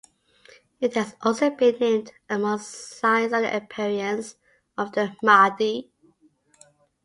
It has also been named among Signs of the appearance of the Mahdi.